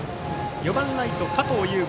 ４番ライト、加藤右悟。